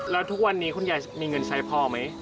แล้วทุกวันนี้คุณยายมีเงินใช้พอไหม